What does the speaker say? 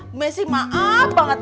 bu messi maaf banget